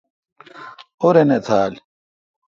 اورنی تھال۔